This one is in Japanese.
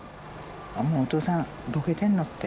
もうお父さん、ぼけてんのって。